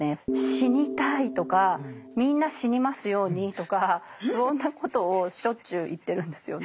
「死にたい」とか「みんな死にますように」とか不穏なことをしょっちゅう言ってるんですよね。